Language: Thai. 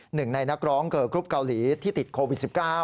หนึ่งในนักร้องเกอร์กรุ๊ปเกาหลีที่ติดโควิด๑๙